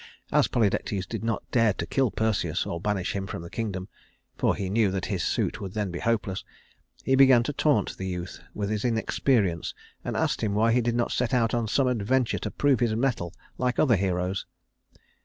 As Polydectes did not dare to kill Perseus or banish him from the kingdom for he knew that his suit would then be hopeless he began to taunt the youth with his inexperience, and asked him why he did not set out on some adventure to prove his mettle like other heroes.